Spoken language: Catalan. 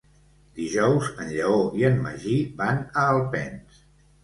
Dijous en Lleó i en Magí van a Alpens.